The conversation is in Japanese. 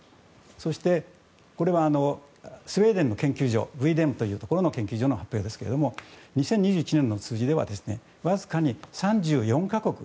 そして、これはスウェーデンの研究所の発表ですが２０２１年の数字ではわずかに３４か国。